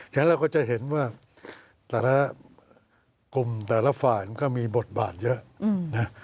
ฉะนั้นเราก็จะเห็นว่าแต่ละกลุ่มแต่ละฝ่ายมันก็มีบทบาทเยอะนะ